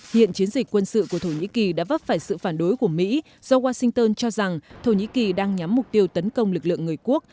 hiện chiến dịch quân sự của thổ nhĩ kỳ đã vấp phải sự phản đối của mỹ do washington cho rằng thổ nhĩ kỳ đang nhắm mục tiêu tấn công lực lượng người quốc